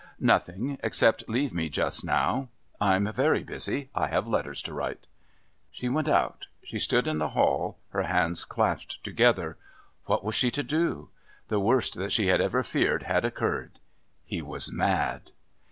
"Nothing except leave me just now. I'm very busy. I have letters to write." She went out. She stood in the hall, her hands clasped together. What was she to do? The worst that she had ever feared had occurred. He was mad.